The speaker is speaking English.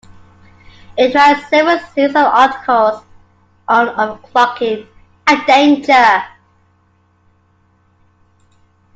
It ran several series of articles on overclocking, a Danger!